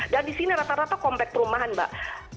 dan di sini rata rata komplek perumahan mbak